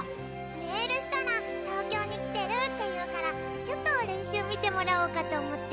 メールしたら東京に来てるって言うからちょっと練習見てもらおうかと思って。